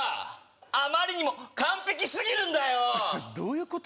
あまりにも完璧すぎるんだよどういうこと？